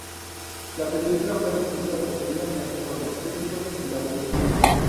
La película fue recibida positivamente por los críticos y la audiencia.